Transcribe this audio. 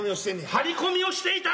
張り込みをしていた！